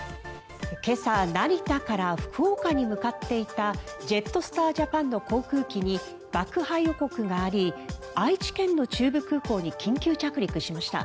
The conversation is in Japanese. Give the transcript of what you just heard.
今朝成田から福岡に向かっていたジェットスター・ジャパンの航空機に爆破予告があり愛知県の中部空港に緊急着陸しました。